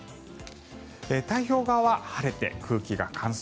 太平洋側は晴れて空気が乾燥。